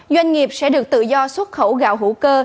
doanh nghiệp sẽ được tự do xuất khẩu gạo hữu cơ